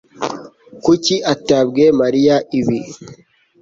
Kuki atabwiye Mariya ibi?